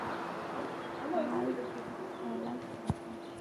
ভাই, খেলা শুরু হয়ে গেছে।